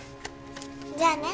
じゃあね。